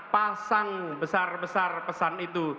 pasang besar besar pesan itu